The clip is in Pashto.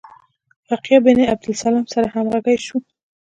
فقیه ابن عبدالسلام سره همغږي شو.